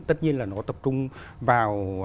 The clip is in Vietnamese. tất nhiên là nó tập trung vào